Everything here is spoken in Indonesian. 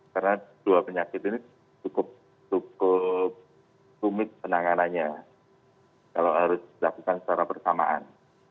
karena dua penyakit ini cukup rumit penanganannya kalau harus dilakukan secara bersamaan